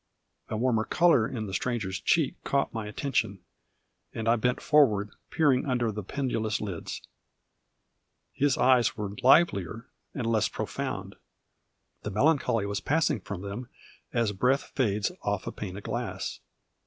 A warmer colour in the Stranger's cheek caught my attention; and I bent forward, peering under the pendulous lids. His eyes were livelier and less profound. The melancholy was passing from them as breath fades off a pane of glass.